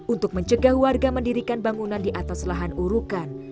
untuk mencegah warga mendirikan bangunan di atas lahan urukan